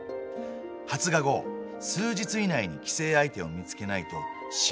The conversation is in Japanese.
発芽後数日以内に寄生相手を見つけないと死んでしまう。